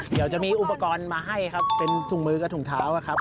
เดี๋ยวจะมีอุปกรณ์มาให้ครับเป็นถุงมือกับถุงเท้าครับ